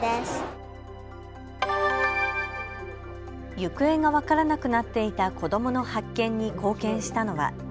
行方が分からなくなっていた子どもの発見に貢献したのは。